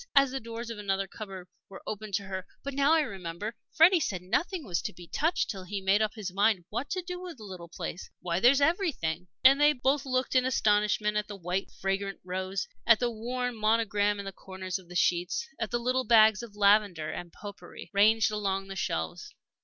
as the doors of another cupboard were opened to her. "But now I remember, Freddie said nothing was to be touched till he made up his mind what to do with the little place. Why, there's everything!" And they both looked in astonishment at the white, fragrant rows, at the worn monogram in the corners of the sheets, at the little bags of lavender and pot pourri ranged along the shelves.